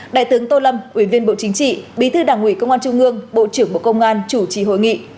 đại tướng tô lâm ủy viên bộ chính trị bí thư đảng ủy công an trung ương bộ trưởng bộ công an chủ trì hội nghị